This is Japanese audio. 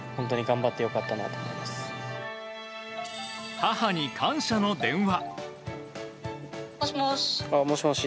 母に感謝の電話。